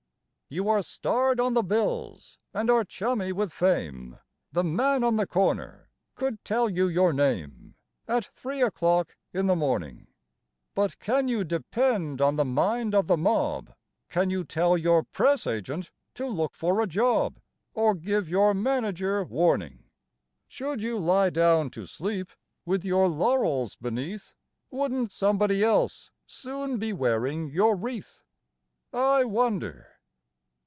You are starred on the bills and are chummy with fame; The man on the corner could tell you your name At three o'clock in the morning, But can you depend on the mind of the mob? Can you tell your press agent to look for a job, Or give your manager warning? Should you lie down to sleep, with your laurels beneath, Wouldn't somebody else soon be wearing your wreath, I wonder?